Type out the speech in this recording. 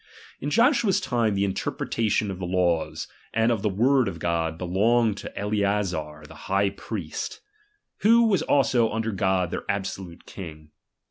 In Joshua's time the interpretation of the'^ laws, and of the word of God, belonged to Eleazar n the high priest; who was also, under God, their „] absolute king.